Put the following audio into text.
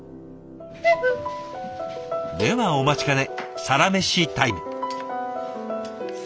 ではお待ちかねサラメシタイム。